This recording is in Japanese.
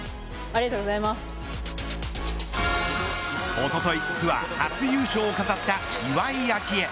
おとといツアー初優勝を飾った岩井明愛。